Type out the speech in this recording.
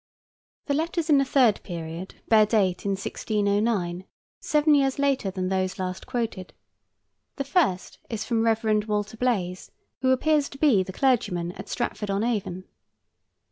The letters in the third period bear date in 1609, seven years later than those last quoted. The first is from Rev. Walter Blaise, who appears to be the clergyman at Stratford on Avon.